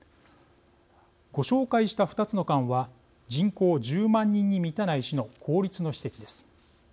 ご紹介した２つの館は人口１０万人に満たない市の公立の施設です。